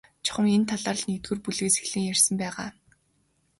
Чухам энэ талаар л нэгдүгээр бүлгээс эхэлж ярьсан байгаа.